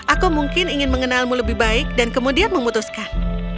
aku mungkin ingin mengenalmu lebih baik dan kemudian memutuskan